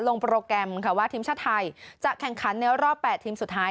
โปรแกรมค่ะว่าทีมชาติไทยจะแข่งขันในรอบ๘ทีมสุดท้าย